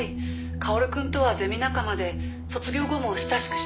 薫くんとはゼミ仲間で卒業後も親しくしていました」